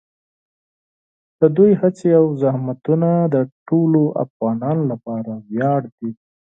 د دوی هڅې او زحمتونه د ټولو افغانانو لپاره ویاړ دي.